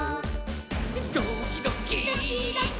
「ドキドキ」ドキドキ。